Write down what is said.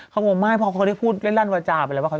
เขาบอกไม่พอเขาได้พูดเล่นร่าลวจาไปแล้วว่า